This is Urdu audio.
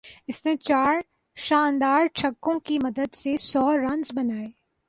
اس نے چار شاندار چھکوں کی مدد سے سو رنز بنائے